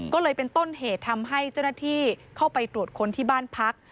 ก็เลยเป็นต้นเหตุทำให้เจ้าหน้าที่เข้าไปตรวจค้นที่บ้านพัก